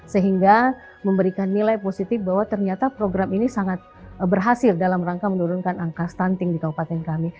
sehingga memberikan nilai positif bahwa ternyata program ini sangat berhasil dalam rangka menurunkan angka stunting di kabupaten kami